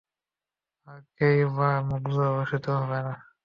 আর কেনইবা মুগ্ধ ও শীতল হবে না?